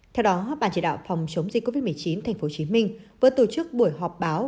theo đó bàn chỉ đạo phòng chống dịch covid một mươi chín tp hcm vừa tổ chức buổi họp báo